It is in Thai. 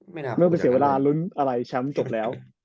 ไม่สุดอยากจะอาจพิมิการลุ้นอะไรแชมป์จบแล้ว